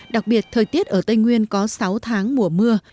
đặc biệt thời tiết ở tây nguyên có sáu tháng mùa mưa